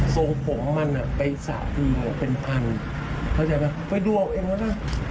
โซงผมมันไปสาธินเป็นพันธุ์เข้าใจปะไปดูเอาเองแล้วล่ะ